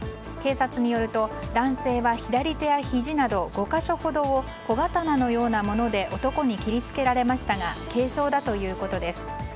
警察によると男性は左手やひじなど５か所ほどを小刀のようなもので男に切り付けられましたが軽傷だということです。